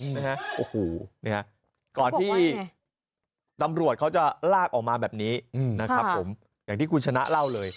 นะฮะโอ้โหเนี่ยก่อนที่ตำรวจเขาจะลากออกมาแบบนี้นะครับผมอย่างที่คุณชนะเล่าเลย